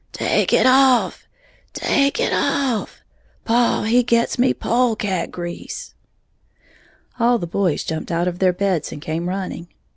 "Take it off! Take it off! Paw he gits me pole cat grease!" All the boys jumped out of their beds and came running.